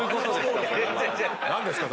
何ですか？